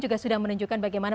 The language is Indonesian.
juga sudah menunjukkan bagaimana